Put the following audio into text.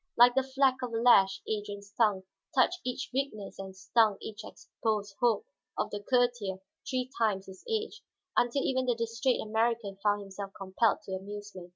Like the fleck of a lash Adrian's tongue touched each weakness and stung each exposed hope of the courtier three times his age, until even the distrait American found himself compelled to amusement.